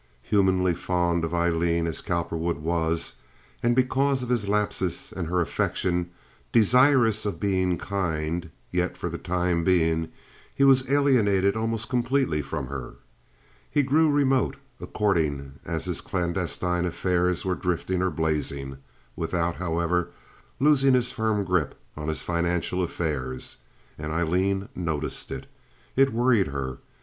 Humanly fond of Aileen as Cowperwood was, and because of his lapses and her affection, desirous of being kind, yet for the time being he was alienated almost completely from her. He grew remote according as his clandestine affairs were drifting or blazing, without, however, losing his firm grip on his financial affairs, and Aileen noticed it. It worried her.